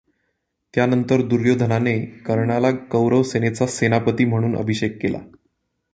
त्यानंतर दुर्योधनाने कर्णाला कौरवसेनेचा सेनापती म्हणून अभिषेक केला.